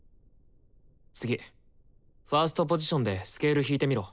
次ファーストポジションでスケール弾いてみろ。